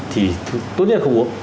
thì tốt nhất là không uống